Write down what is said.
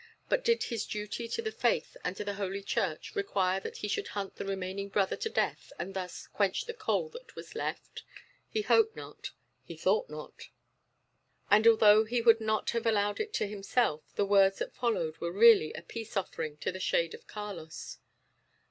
But did his duty to the Faith and to Holy Church require that he should hunt the remaining brother to death, and thus "quench the coal that was left"? He hoped not; he thought not. And, although he would not have allowed it to himself, the words that followed were really a peace offering to the shade of Carlos.